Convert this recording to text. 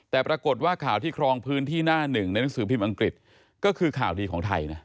แต่ปรากฏว่าข่าวที่ครองพื้นที่หน้าหนึ่งในหนังสือพิมพ์อังกฤษก็คือข่าวดีของไทยนะ